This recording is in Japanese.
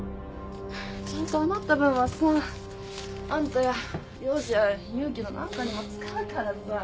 ちゃんと余った分はさあんたや亮二や勇樹の何かにも使うからさ。